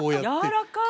やわらかい。